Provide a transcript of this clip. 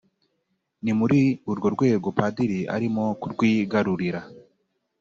ni muri urwo rwego padiri arimo kurwigarurira